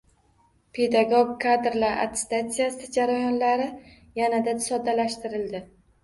Pedagog kadrlar attestatsiyasi jarayonlari yanada soddalashtirildi